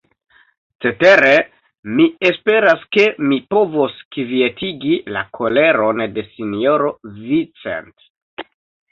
Cetere mi esperas, ke mi povos kvietigi la koleron de sinjoro Vincent.